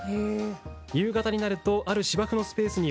夕方になるとある芝生のスペースに